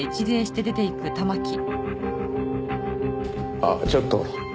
あっちょっと。